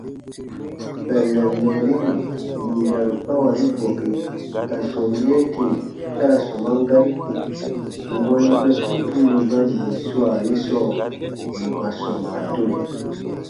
Kpɛllɛn mɛɛri yù yarukawali bɔke ka sɔm yee tè ta ra sɔman gari ko, nwa yigbɛ piibu nì ba yi swa ye sɔɔ nù ka sɔma tore.